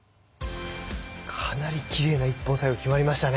かなりきれいな一本背負い決まりましたね